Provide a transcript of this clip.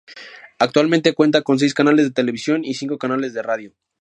Actualmente cuenta con seis canales de televisión y cinco canales de radio.